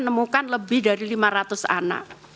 menemukan lebih dari lima ratus anak